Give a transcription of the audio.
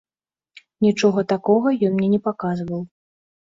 Нічога такога ён мне не паказваў.